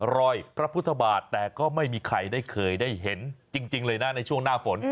รอยพระพุทธบาทแต่ก็ไม่มีใครได้เคยได้เห็นจริงเลยนะในช่วงหน้าฝน